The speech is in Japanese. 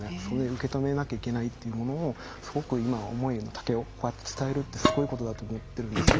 受け止めなきゃいけないというのをすごく今、思いの丈を伝えるってすごいことだと思っているんですよ。